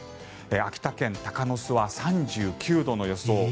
秋田県鷹巣は３９度の予想。